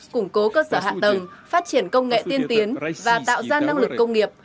củng cố cơ sở hạ tầng phát triển công nghệ tiên tiến và tạo ra năng lực công nghiệp